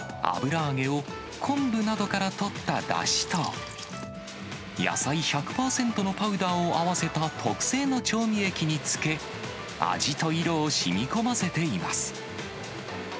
油揚げを昆布などからとっただしと、野菜１００％のパウダーを合わせた特製の調味液に漬け、味と色をしみこませています。